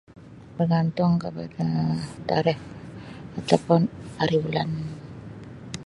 Bergantung kepada tarikh atau pun hari bulan.